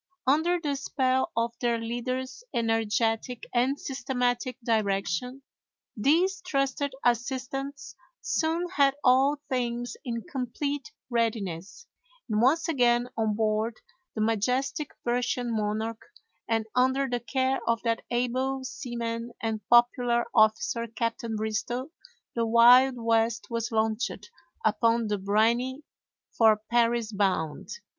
Under the spell of their leader's energetic and systematic direction, these trusted assistants soon had all things in complete readiness, and once again on board the majestic Persian Monarch, and under the care of that able seaman and popular officer Captain Bristow, the Wild West was launched upon "the briny," for Paris bound.